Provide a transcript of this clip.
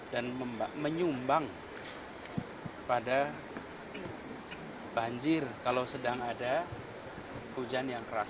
dan menyumbang pada banjir kalau sedang ada hujan yang keras